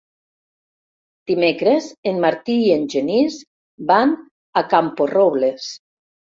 Dimecres en Martí i en Genís van a Camporrobles.